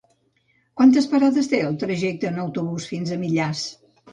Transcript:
Quantes parades té el trajecte en autobús fins a Millars?